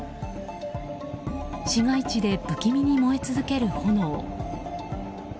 市街地で不気味に燃え続ける炎。